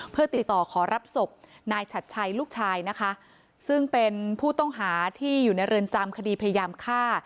เพื่อติดต่อขอรับศพนายฉัดชัยลูกชายนะคะซึ่งเป็นผู้ต้องหาที่อยู่ในเรือนจำคดีพยายามฆ่า